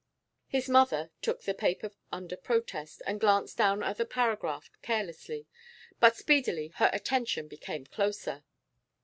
His mother took the paper under protest, and glanced down at the paragraph carelessly. But speedily her attention became closer.